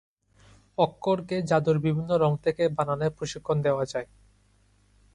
অক্ষরকে জাদুর বিভিন্ন রং থেকে বানানে প্রশিক্ষণ দেওয়া যায়।